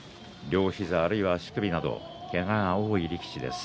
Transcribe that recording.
両膝、あるいは足首などけがの多い力士です。